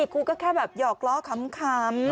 กูก็แค่แบบหยอกล้อขำ